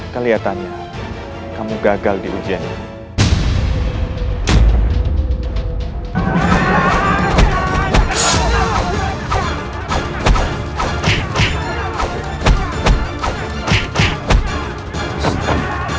kelihatannya kamu gagal di ujian ini